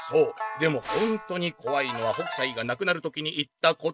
でもほんとにこわいのは北斎が亡くなる時に言った言葉！」。